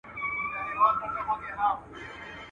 ماهى چي هر وخت له اوبو راوکاږې، تازه وي.